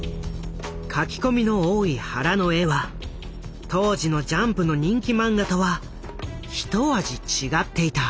描き込みの多い原の絵は当時のジャンプの人気漫画とはひと味違っていた。